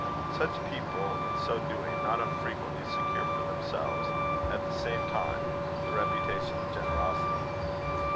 Such people, in so doing, not unfrequently secure for themselves, at the same time, the reputation of generosity.